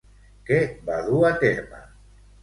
Què va dur a terme?